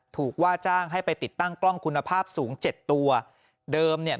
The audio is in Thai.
ถูกว่าจ้างให้ไปติดตั้งกล้องคุณภาพสูงเจ็ดตัวเดิมเนี่ย